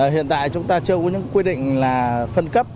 hiện tại chúng ta chưa có những quy định là phân cấp